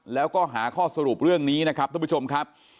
แล้วก็หาข้อสรุปเรื่องนี้นะครับทุกผู้ชมครับ